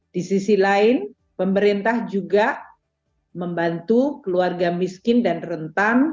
di sisi lain pemerintah juga membantu keluarga miskin dan rentan